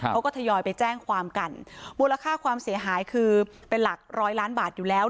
ทยอยไปแจ้งความกันมูลค่าความเสียหายคือเป็นหลักร้อยล้านบาทอยู่แล้ว